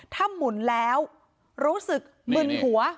ถ้าหมุนแล้วรู้สึกมึนหัว